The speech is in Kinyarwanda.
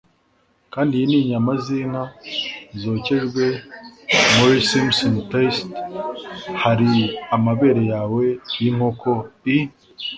kandi iyi ni inyama zinka zokejwe muri simsim paste; hari amabere yawe y'inkoko; i